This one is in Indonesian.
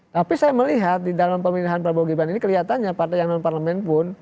tapi saya melihat di dalam pemilihan prabowo gibran ini kelihatannya partai yang non parlemen pun